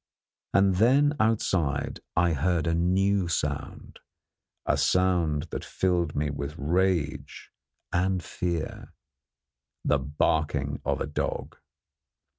And then outside I heard a new sound, a sound that filled me with rage and fear the barking of a dog.